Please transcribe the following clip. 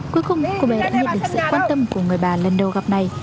cuối cùng cô bé đã nhận được sự quan tâm của người bà lần đầu gặp này